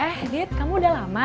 eh dit kamu udah lama